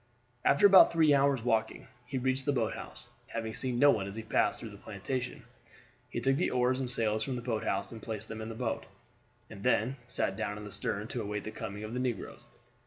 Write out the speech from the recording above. After about three hours' walking he reached the boat house, having seen no one as he passed through the plantation. He took the oars and sails from the boathouse and placed them in the boat, and then sat down in the stern to await the coming of the negroes.